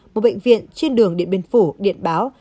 một bệnh viện trên đường điện biên phủ điện báo